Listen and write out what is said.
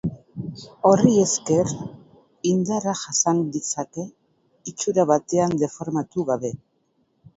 Horri esker, indarrak jasan ditzake itxura batean deformatu gabe.